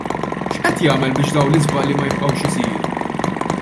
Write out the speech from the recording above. X'qed jagħmel biex dawn l-iżbalji ma jibqgħux isiru?